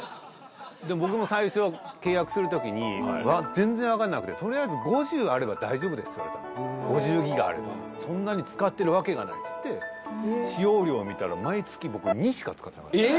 でも僕も最初契約するときに全然分かんなくてとりあえず５０あれば大丈夫ですって言われたの５０ギガあればそんなに使ってるわけがないっていって使用量見たら毎月僕２しか使ってなかったええ！？